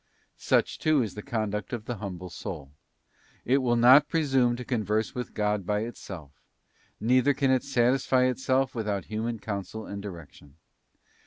Such, too, is the conduct of the humble soul: it will not presume to converse with God by itself, neither can it satisfy itself without human counsel and direction.